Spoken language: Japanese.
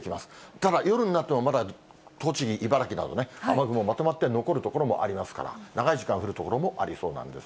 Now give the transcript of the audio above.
ただ夜になってもまだ栃木、茨城など、雨雲まとまって残る所もありますから、長い時間降る所もありそうなんです。